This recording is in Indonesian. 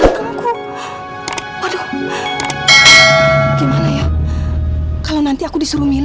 terima kasih otario